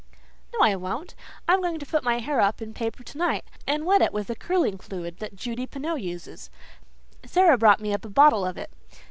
"No, I won't. I'm going to put my hair up in paper tonight and wet it with a curling fluid that Judy Pineau uses. Sara brought me up a bottle of it.